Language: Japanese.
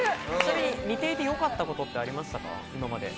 似ていてよかったことってありましたか？